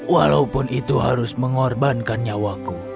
walaupun itu harus mengorbankan nyawaku